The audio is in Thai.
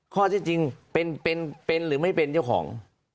ข้อที่จริงเป็นหรือไม่เป็นเจ้าของ